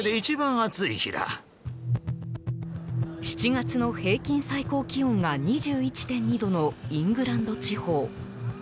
７月の平均最高気温が２１．２度のイングランド地方。